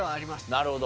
なるほど。